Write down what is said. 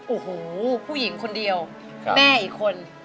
โอ้โหผู้หญิงคนเดียวแม่อีกคน